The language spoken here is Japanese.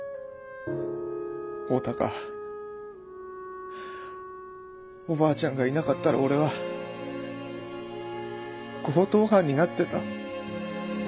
オタがおばあちゃんがいなかったら俺は強盗犯になってた。